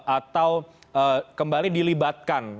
atau kembali dilibatkan